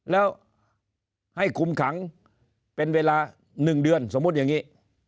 แล้วให้คุมขังเป็นเวลา๑เดือนสมมุติอย่างนี้